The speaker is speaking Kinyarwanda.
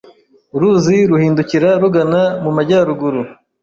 uruzi ruhindukira rugana mu majyaruguru